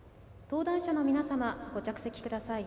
登壇者の皆様、ご着席ください。